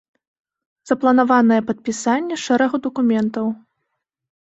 Запланаванае падпісанне шэрагу дакументаў.